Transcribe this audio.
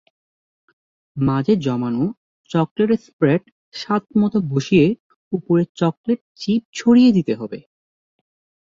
মাঝে জমানো chocolate spread স্বাদমতো বসিয়ে ওপরে চকলেট চিপ ছড়িয়ে দিতে হবে।